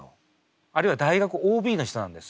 あるいは大学ＯＢの人なんです。